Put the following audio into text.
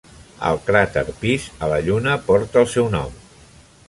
El cràter Pease a la lluna porta el seu nom.